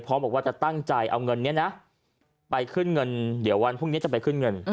บอกว่าจะตั้งใจเอาเงินนี้นะไปขึ้นเงินเดี๋ยววันพรุ่งนี้จะไปขึ้นเงิน